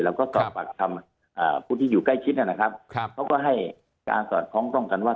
แล้วก็สอบปากคำผู้ที่อยู่ใกล้ชิดนะครับเขาก็ให้การสอดคล้องต้องกันว่า